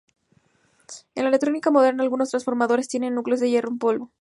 En la electrónica moderna, algunos transformadores tienen núcleos de hierro en polvo.